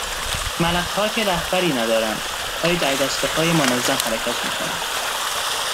ملخها که رهبری ندارند ولی در دستههای منظم حرکت میکنند